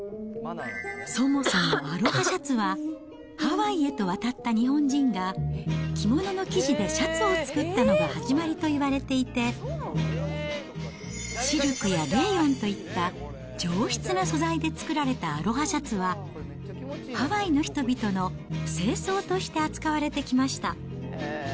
そもそもアロハシャツは、ハワイへと渡った日本人が着物の生地でシャツを作ったのが始まりといわれていて、シルクやレーヨンといった上質な素材で作られたアロハシャツは、ハワイの人々の正装として扱われてきました。